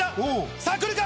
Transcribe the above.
さあ、来るか？